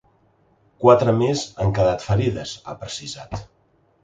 Quatre més han quedat ferides, ha precisat.